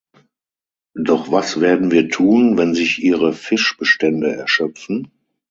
Doch was werden wir tun, wenn sich ihre Fischbestände erschöpfen?